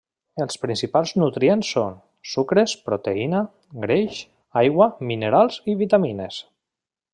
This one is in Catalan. Els principals nutrients són: sucres, proteïna, greix, aigua, minerals i vitamines.